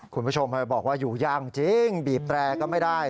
คุณผู้ชมบอกว่าอยู่ยากจริงบีบแตรก็ไม่ได้